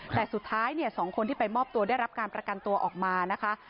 แต่สุดท้าย๒คนที่ไปมอบตัวได้รับการประกันตัวออกมานะคะ